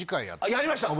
あやりました！